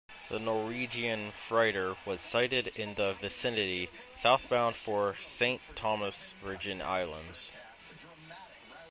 The Norwegian freighter was sighted in the vicinity, southbound for Saint Thomas, Virgin Islands.